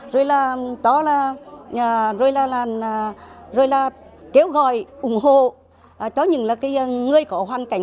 rồi là kêu gọi ủng hộ cho những người có hoàn cảnh